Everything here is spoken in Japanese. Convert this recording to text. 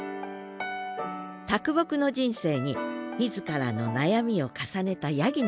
啄木の人生に自らの悩みを重ねた八木野さん。